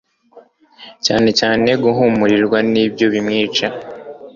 cyane cyane guhumurirwa nibyo bimwica